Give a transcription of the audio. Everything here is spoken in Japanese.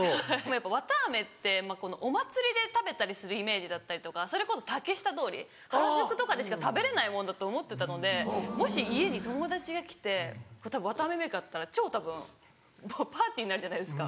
わたあめってお祭りで食べたりするイメージだったりとかそれこそ竹下通り原宿とかでしか食べれないもんだと思ってたのでもし家に友達が来てわたあめメーカーあったら超たぶんパーティーになるじゃないですか。